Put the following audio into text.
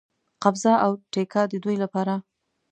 قبضه او ټیکه د دوی لپاره.